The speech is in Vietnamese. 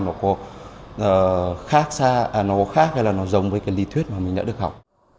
nó có khác hay là nó giống với cái lý thuyết mà mình đã được học